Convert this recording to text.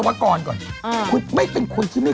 แล้วก็ยังไม่มีที่อยู่